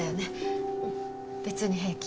別に平気。